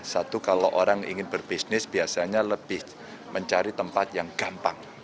satu kalau orang ingin berbisnis biasanya lebih mencari tempat yang gampang